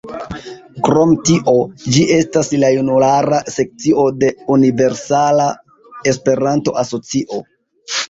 Krom tio, ĝi estas la junulara sekcio de Universala Esperanto-Asocio.